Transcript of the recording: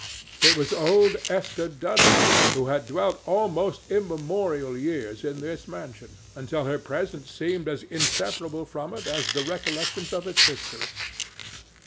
It was old Esther Dudley, who had dwelt almost immemorial years in this mansion, until her presence seemed as inseparable from it as the recollections of its history.